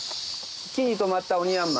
木に止まったオニヤンマ。